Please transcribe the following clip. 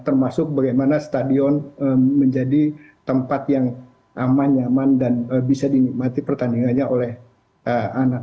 termasuk bagaimana stadion menjadi tempat yang aman nyaman dan bisa dinikmati pertandingannya oleh anak